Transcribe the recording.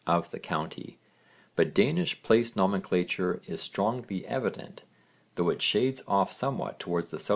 of the county, but Danish place nomenclature is strongly evident, though it shades off somewhat towards the S.W.